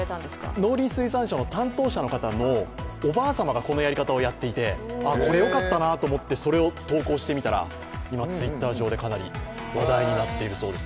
農水省の担当者の方のおばあ様が、このやり方をやっていて、これよかったなと思ってそれを投稿してみたら今、Ｔｗｉｔｔｅｒ上でかなり話題となっているそうです。